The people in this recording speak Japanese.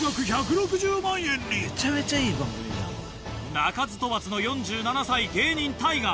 鳴かず飛ばずの４７歳芸人ＴＡＩＧＡ。